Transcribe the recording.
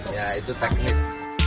ya itu teknis